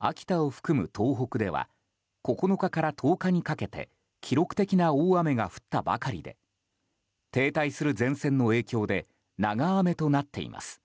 秋田を含む東北では９日から１０日にかけて記録的な大雨が降ったばかりで停滞する前線の影響で長雨となっています。